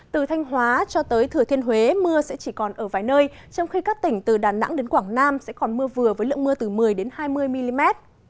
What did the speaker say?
từ thanh hóa cho tới thừa thiên huế mưa sẽ chỉ còn ở vài nơi trong khi các tỉnh từ đà nẵng đến quảng nam sẽ còn mưa vừa với lượng mưa từ một mươi hai mươi mm